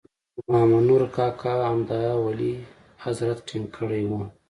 خو مامنور کاکا همدا ولي حضرت ټینګ کړی وو.